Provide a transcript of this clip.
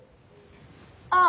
ああ。